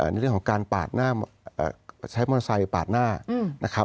ในเรื่องของการปาดหน้าใช้มอเตอร์ไซค์ปาดหน้านะครับ